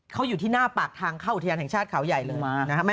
เขาอยู่ที่หน้าปากทางเข้าอุทยานแห่งชาติเขาใหญ่เลยนะครับ